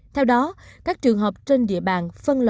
theo đó các trường học trên địa bàn